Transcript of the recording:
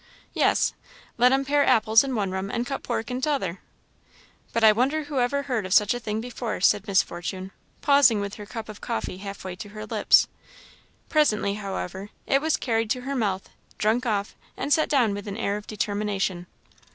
"Yes let'em pare apples in one room and cut pork in t'other." "But I wonder who ever heard of such a thing before," said Miss Fortune, pausing with her cup of coffee half way to her lips. Presently, however, it was carried to her mouth, drunk off, and set down with an air of determination.